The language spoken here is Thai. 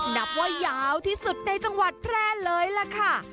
นับว่ายาวที่สุดในจังหวัดแพร่เลยล่ะค่ะ